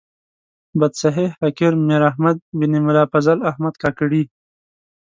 بتصحیح حقیر میر احمد بن ملا فضل احمد کاکړي.